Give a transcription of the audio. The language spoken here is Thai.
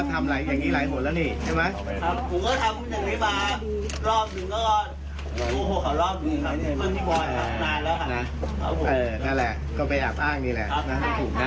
รอบหนึ่งก็โพสต์ข้อความขอรับบริจักษ์เงินจริงนานแล้วค่ะ